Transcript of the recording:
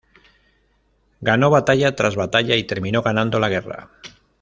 Ganó batalla tras batalla y terminó ganando la guerra.